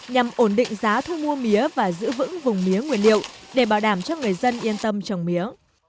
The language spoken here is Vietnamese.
nhằm ổn định giá thu mua mía và giữ vững vùng mía nguyên liệu để bảo đảm cho người dân yên tâm trồng mía